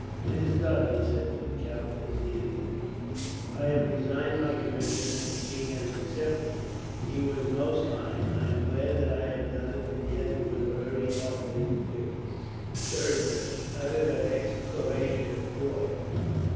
"It is done," he said to the count as he entered. "I have resigned my commission, and the king has accepted it. He was most kind. I am glad that I have done it, and yet it was a very hard thing to do." Thirza uttered an exclamation of joy.